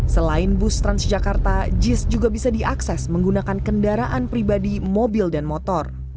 selain bus transjakarta jis juga bisa diakses menggunakan kendaraan pribadi mobil dan motor